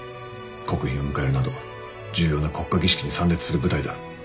国賓を迎えるなど重要な国家儀式に参列する部隊だ。